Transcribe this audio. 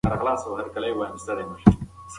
د پلار لپاره توده ډوډۍ په سختۍ پیدا شوه.